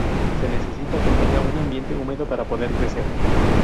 Se necesita que tenga un ambiente húmedo para poder crecer.